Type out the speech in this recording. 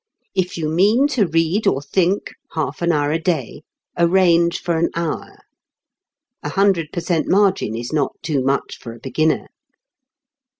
If you mean to read or think half an hour a day, arrange for an hour. A hundred per cent. margin is not too much for a beginner.